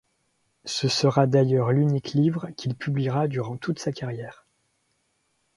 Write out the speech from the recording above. Ce sera d'ailleurs l'unique livre qu'il publiera durant toute sa carrière.